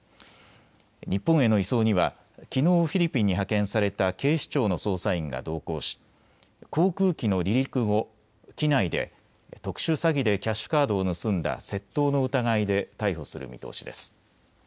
日本への移送にはきのうフィリピンに派遣された警視庁の捜査員が同行し航空機の離陸後、機内で特殊詐欺でキャッシュカードを盗んだ窃盗の疑いで逮捕する見通しです。